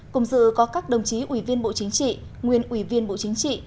cùng dự có các đồng chí ủy viên bộ chính trị nguyên ủy viên bộ chính trị